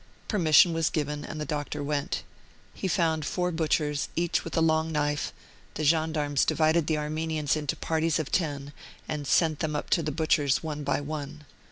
Permission was given, and the doctor went. He found four butchers, each with a long knife; the gendarmes divided the Armenians into parties of ten, and sent them up to the butchers one by one.